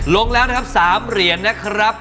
ลงแล้วนะครับ๓เหรียญนะครับ